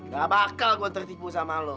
ga bakal gua tertipu sama lo